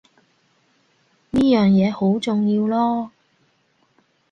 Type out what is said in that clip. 呢樣嘢好重要囉